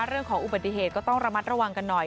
เรื่องของอุบัติเหตุก็ต้องระมัดระวังกันหน่อย